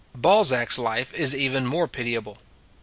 Balzac s life is even more pitiable.